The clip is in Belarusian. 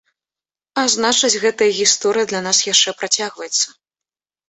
А значыць, гэтая гісторыя для нас яшчэ працягваецца.